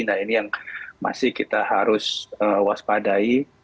nah ini yang masih kita harus waspadai